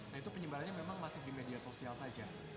nah itu penyebarannya memang masih di media sosial saja